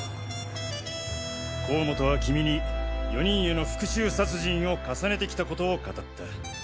甲本はキミに４人への復讐殺人を重ねてきたことを語った。